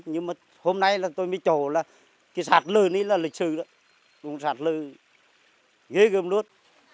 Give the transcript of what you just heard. nhưng mà hôm nay là tôi mới trổ là cái sạt lở này là lịch sử đó sạt lở ghê gầm luôn